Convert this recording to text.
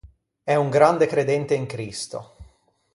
È un grande credente in Cristo.